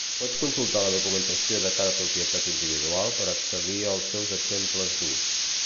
Pots consultar la documentació de cada propietat individual per a accedir als seus exemples d'ús.